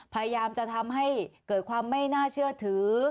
พยายามจะทำให้เกิดความไม่น่าเชื่อถือ